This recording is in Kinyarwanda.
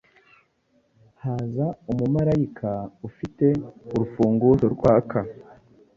Haza umumarayika, ufite urufunguzo rwaka,